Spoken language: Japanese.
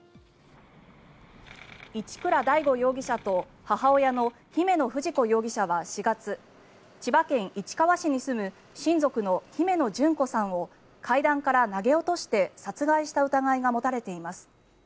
一倉大悟容疑者と母親の姫野富士子容疑者は４月千葉県市川市に住む親族の姫野旬子さんを階段から投げ落として殺害した疑いが持たれています。